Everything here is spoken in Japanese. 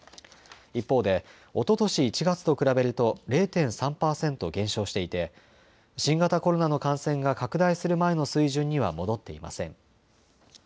一方でおととし１月と比べると０．３％減少していて新型コロナの感染が拡大する前の水準には戻っていません。